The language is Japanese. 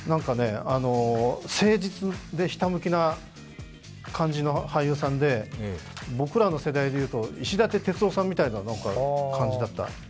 誠実でひたむきな感じの俳優さんで、僕らの世代で言うと石立鉄男さんみたいな感じだった。